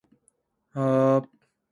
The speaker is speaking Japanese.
未来は何度でも変えられる